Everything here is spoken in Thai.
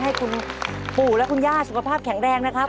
ให้คุณปู่และคุณย่าสุขภาพแข็งแรงนะครับ